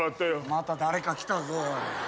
また誰か来たぞおい。